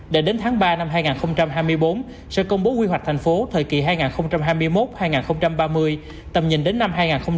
để đến tháng ba năm hai nghìn hai mươi bốn sẽ công bố quy hoạch thành phố thời kỳ hai nghìn hai mươi một hai nghìn ba mươi tầm nhìn đến năm hai nghìn năm mươi